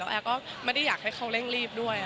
แอร์ก็ไม่ได้อยากให้เขาเร่งรีบด้วย